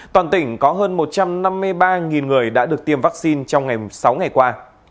toàn tỉnh có hơn một trăm năm mươi ba người đã được tiêm vaccine trong ngày sáu ngày qua